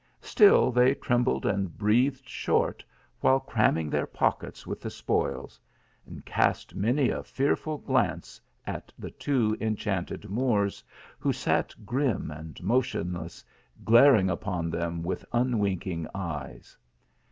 Still they trembled and breathed short while cramming their pockets with the spoils ; and cast many a fear it glance at the two enchanted Moors, who sat grim and motionless, glaring upon them with un THE MOORS LEGACY. 173 winking eyes.